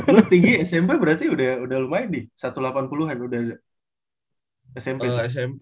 lo tinggi smp berarti udah lumayan di satu delapan puluh an udah smp